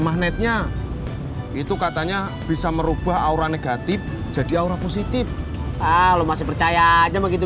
magnetnya itu katanya bisa merubah aura negatif jadi aura positif ah lo masih percaya aja begitu